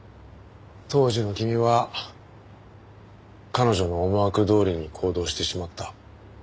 当時の君は彼女の思惑どおりに行動してしまった。